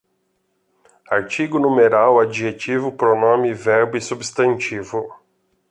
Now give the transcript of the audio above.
Artigo, numeral, adjetivo, pronome, verbo e substantivo